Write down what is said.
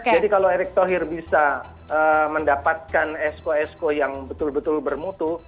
jadi kalau erik thohir bisa mendapatkan esko esko yang betul betul bermutu